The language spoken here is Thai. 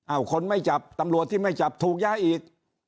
คนไม่จับตำรวจที่ไม่จับถูกย้ายอีก